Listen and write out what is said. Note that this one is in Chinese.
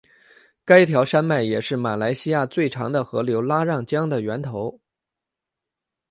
该条山脉也是马来西亚最长的河流拉让江的源头。